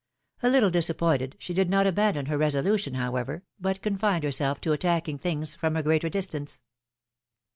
A little disappointed, she did not abandon her resolution however, but confined herself to attacking things from a greater distance.